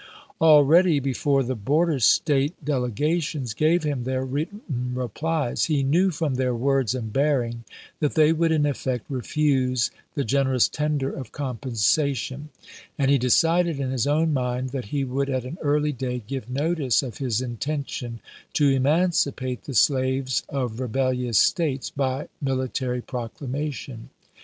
Already, before the border State dele gations gave him their written replies, he knew from their words and bearing that they would in effect refuse the generous tender of compensa tion; and he decided in his own mind that he would at an early day give notice of his inten tion to emancipate the slaves of rebellious States by military proclamation.